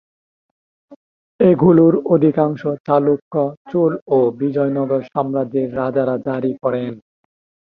এগুলোর অধিকাংশ চালুক্য, চোল ও বিজয়নগর সাম্রাজ্যের রাজারা জারি করেন।